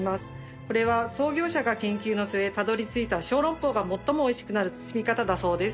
これは創業者が研究の末たどりついた小籠包が最もおいしくなる包み方だそうです。